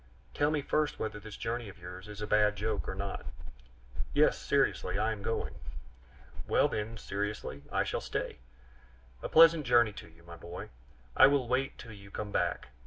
"Tell me first whether this journey of yours is a bad joke or not." "Yes, seriously, I am going." "Well, then, seriously, I shall stay. A pleasant journey to you, my boy! I will wait till you come back.